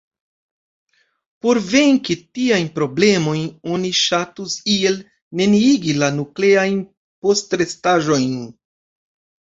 Por venki tiajn problemojn oni ŝatus iel neniigi la nukleajn postrestaĵojn.